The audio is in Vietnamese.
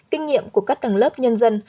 kinh nghiệm của các tầng lớp nhân dân